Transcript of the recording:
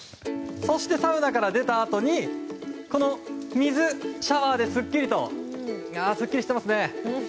そしてサウナから出たあとにこの水シャワーですっきりと。